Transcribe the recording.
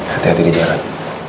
hati hati di jalan